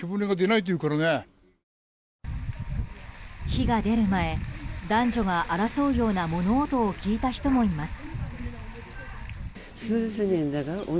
火が出る前、男女が争うような物音を聞いた人もいます。